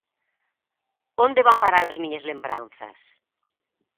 Onde van parar as miñas lembranzas?